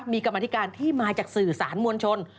มีกรรมธิการที่มาจากสื่อสารมวลชน